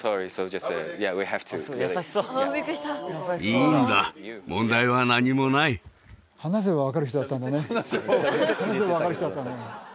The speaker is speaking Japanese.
いいんだ問題は何もない話せば分かる人だったね